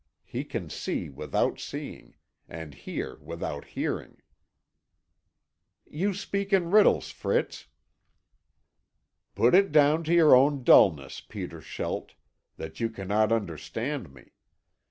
He can see without seeing, and hear without hearing." "You speak in riddles, Fritz." "Put it down to your own dulness, Peter Schelt, that you cannot understand me.